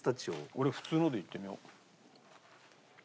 俺普通のでいってみよう。